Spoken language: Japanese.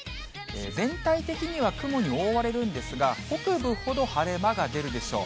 全体的には雲に覆われるんですが、北部ほど晴れ間が出るでしょう。